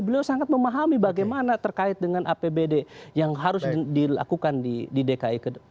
beliau sangat memahami bagaimana terkait dengan apbd yang harus dilakukan di dki